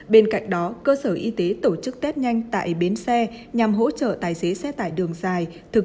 bên cạnh đó cơ sở y tế tổ chức test nhanh tại bến xe nhằm hỗ trợ tài xế xe tải đường dài